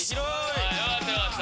よかったよかった。